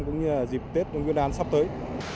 cũng như dịp tuyên truyền giao thông sắp tới